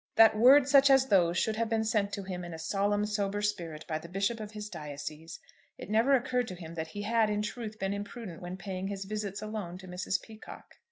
That words such as those should have been sent to him in a solemn sober spirit by the bishop of his diocese! It never occurred to him that he had, in truth, been imprudent when paying his visits alone to Mrs. Peacocke.